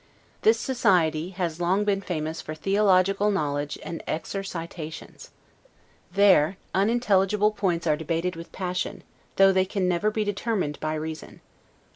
This society has long been famous for theological knowledge and exercitations. There unintelligible points are debated with passion, though they can never be determined by reason.